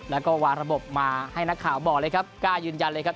แล้วก็วางระบบมาให้นักข่าวบอกเลยครับกล้ายืนยันเลยครับ